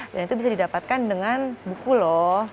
dan itu bisa didapatkan dengan buku loh